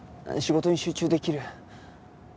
仕事に集中できる。